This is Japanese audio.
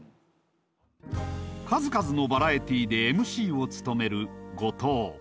数々のバラエティーでＭＣを務める後藤。